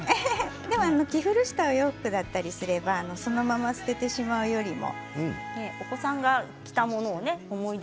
着古したお洋服だったりそのまま捨ててしまうよりも。